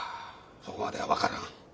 そこまでは分からん。